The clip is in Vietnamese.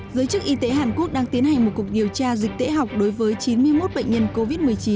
giới chức y tế hàn quốc đang tiến hành một cuộc điều tra dịch tễ học đối với chín mươi một bệnh nhân covid một mươi chín